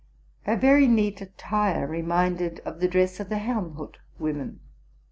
Her very neat attire reininded of the dress of the Hernhutt women.